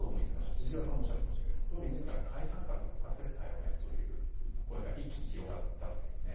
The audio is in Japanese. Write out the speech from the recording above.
千々岩さんもおっしゃっていましたけど総理自ら解散風を吹かせたよねという声が一気に広がりましたよね。